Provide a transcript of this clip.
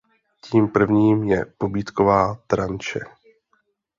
Tím prvním je pobídková tranše.